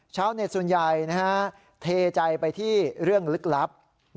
ชาวเน็ตส่วนใหญ่เทใจไปที่เรื่องลึกลับ